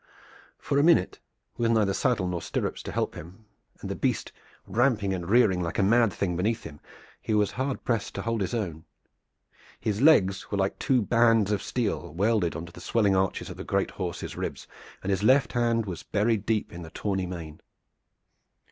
For a minute, with neither saddle nor stirrups to help him, and the beast ramping and rearing like a mad thing beneath him, he was hard pressed to hold his own. His legs were like two bands of steel welded on to the swelling arches of the great horse's ribs, and his left hand was buried deep in the tawny mane.